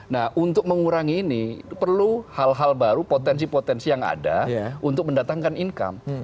nah untuk mengurangi ini perlu hal hal baru potensi potensi yang ada untuk mendatangkan income